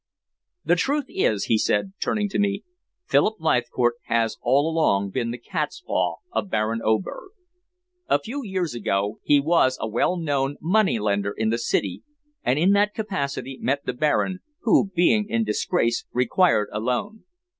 The truth is," he said, turning to me, "Philip Leithcourt has all along been the catspaw of Baron Oberg. A few years ago he was a well known money lender in the city, and in that capacity met the Baron, who, being in disgrace, required a loan.